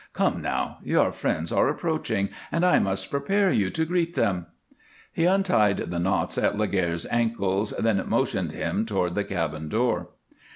"Come now! Your friends are approaching and I must prepare you to greet them." He untied the knots at Laguerre's ankles, then motioned him toward the cabin door.